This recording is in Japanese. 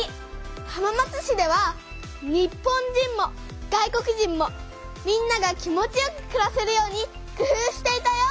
浜松市では日本人も外国人もみんなが気持ちよくくらせるようにくふうしていたよ。